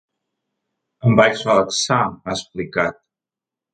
Em vaig relaxar, ha explicat.